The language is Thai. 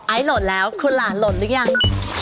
ไอล์โหลดแล้วคุณหลานโหลดหรือยัง